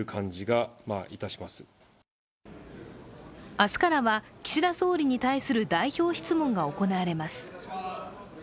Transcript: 明日からは岸田総理に対する代表質問が行われます。